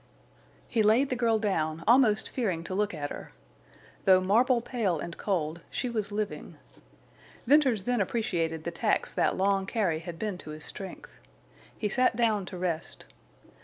He laid the girl down, almost fearing to look at her. Though marble pale and cold, she was living. Venters then appreciated the tax that long carry had been to his strength. He sat down to rest.